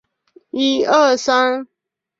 塞尔维亚是一个位于东南欧的国家。